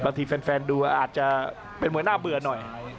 ที่แฟนดูอาจจะเป็นมวยน่าเบื่อหน่อย